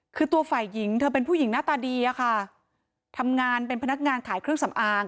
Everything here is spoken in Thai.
คือตัวฝ่ายหญิงเธอเป็นผู้หญิงหน้าตาดีอะค่ะทำงานเป็นพนักงานขายเครื่องสำอาง